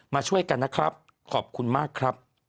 มาช่วยกันนะครับขอบคุณมากครับ